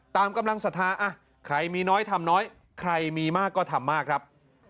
ตามกำลังศรัทธาใครมีน้อยทำน้อยใครมีมากก็ทำมากครับ